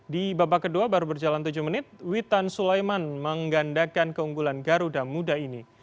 di babak kedua baru berjalan tujuh menit witan sulaiman menggandakan keunggulan garuda muda ini